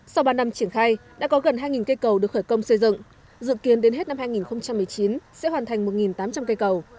sau ba năm triển khai đã có gần hai cây cầu được khởi công xây dựng dự kiến đến hết năm hai nghìn một mươi chín sẽ hoàn thành một tám trăm linh cây cầu